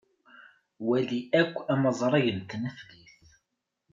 Wali akk amazray n tneflit.